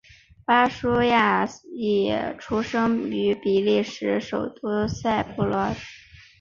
巴舒亚伊出生于比利时首都布鲁塞尔。